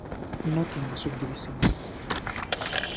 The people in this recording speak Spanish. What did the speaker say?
No tiene subdivisiones.